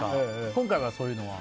今回は？